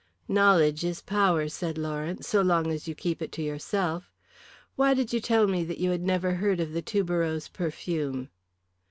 "Knowledge is power," said Lawrence, "so long as you keep it to yourself. Why did you tell me that you had never heard of the tuberose perfume?"